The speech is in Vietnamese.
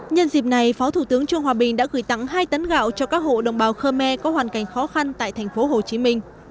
nhân dịp này phó thủ tướng trường hòa bình đã gửi tặng hai tấn gạo cho các hộ đồng bào khơ mê có hoàn cảnh khó khăn tại tp hcm